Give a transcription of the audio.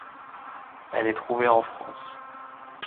Elle est trouvée en France.